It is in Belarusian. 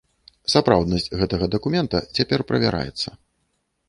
Сапраўднасць гэтага дакумента цяпер правяраецца.